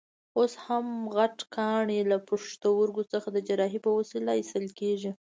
اوس هم غټ کاڼي له پښتورګو څخه د جراحۍ په وسیله ایستل کېږي.